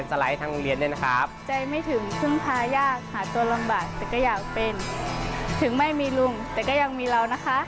ถ้าอยากได้ตังค์ให้ธุรกิจฐานาคาร